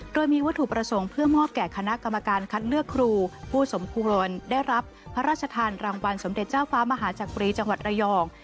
โดยมีวัตถุประสงค์เพื่อมอบแก่คณะกรรมการคัดเลือกครูผู้สมควรได้รับพระราชทานรางวัลสมเด็จเจ้าฟ้ามหาจักรีจังหวัดระยอง